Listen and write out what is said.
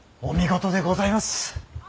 お見事でございます。